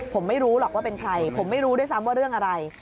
ผมไม่รู้หรอกว่าเป็นใครผมไม่รู้ด้วยซ้ำว่าเรื่องอะไร